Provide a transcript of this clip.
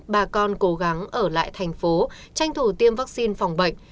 bà con cố gắng ở lại thành phố tranh thủ tiêm vaccine phòng bệnh